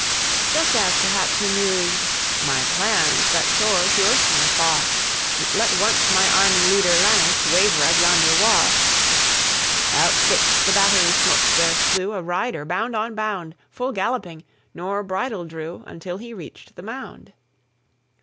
Just as perhaps he mus'd "My plans That soar, to earth may fall, Let once my army leader Lannes Waver at yonder wall," Out 'twixt the battery smokes there flew A rider, bound on bound Full galloping; nor bridle drew Until he reach'd the mound.